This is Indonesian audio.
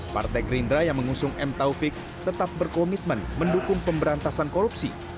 partai gerindra yang mengusung m taufik tetap berkomitmen mendukung pemberantasan korupsi